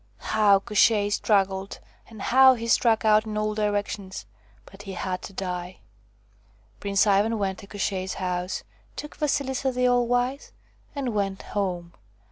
How Koshchei struggled, and how he struck out in all directions but he had to die ! Prince Ivan went to Koshchei's house, took Vasilisa the All Wise, and went home.